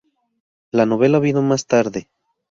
La novela vino más tarde.